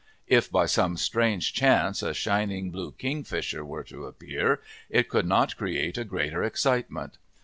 If by some strange chance a shining blue kingfisher were to appear it could not create a greater excitement.